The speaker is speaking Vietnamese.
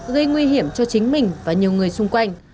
gây nguy hiểm cho chính mình và nhiều người xung quanh